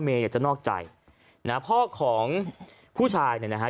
อยากจะนอกใจนะฮะพ่อของผู้ชายเนี่ยนะฮะ